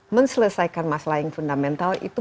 menyelesaikan masalah yang fundamental itu